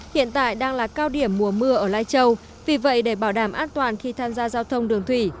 hiện tại đang là cao điểm mùa mưa ở lai châu vì vậy để bảo đảm an toàn khi tham gia giao thông đường thủy